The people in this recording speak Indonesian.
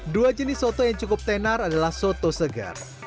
dua jenis soto yang cukup tenar adalah soto segar